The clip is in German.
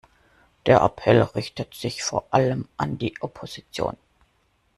Der Appell richtet sich vor allem an die Opposition.